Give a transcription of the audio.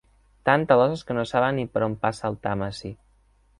Tan talosses que no saben ni per on passa el Tàmesi.